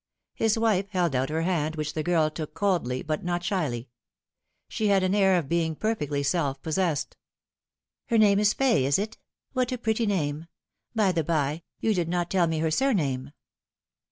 Hig wife held out her hand, which the girl took coldly, but not shyly. She had an air of being perfectly self possessed. Fay. 15 " Her name is Fay, is it ? What a pretty name ! By the bye, yon did not tell me her surname."